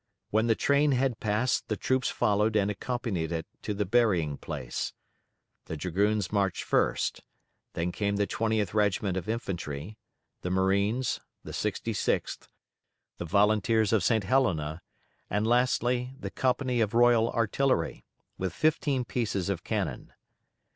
When the train had passed the troops followed and accompanied it to the burying place. The dragoons marched first. Then came the 20th Regiment of infantry, the marines, the 66th, the volunteers of St. Helena, and lastly, the company of Royal Artillery, with fifteen pieces of cannon.